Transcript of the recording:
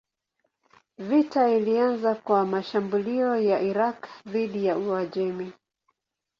Vita ilianza kwa mashambulio ya Irak dhidi ya Uajemi.